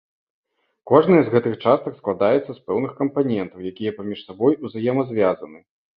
Кожная з гэтых частак складаецца з пэўных кампанентаў, якія паміж сабой узаемазвязаны.